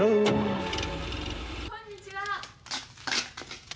・こんにちは。